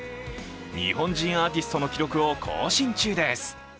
日本人アーティストの記録を更新中です。